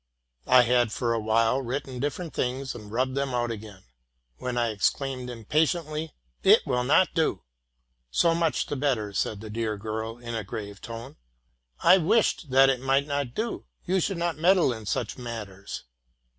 Lhad for a while written different things and rubbed them out again, when I exclaimed impatiently, "It will not do !?'— '*So much the better,'' said the dear girl in a grave tone: '* I wished that it might not do! You should not meddle in such matters.